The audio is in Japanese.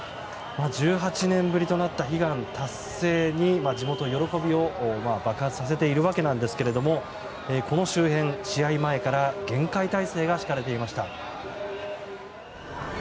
１８年ぶりとなった悲願達成に地元、喜びを爆発させているわけなんですけれどもこの周辺、試合前から厳戒態勢が敷かれていました。